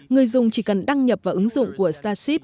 người dùng chỉ cần đăng nhập vào ứng dụng của starship